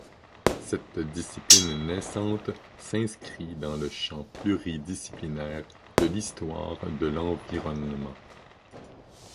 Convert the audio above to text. Cette discipline naissante s'inscrit dans le champ pluridisciplinaire de l'histoire de l'environnement.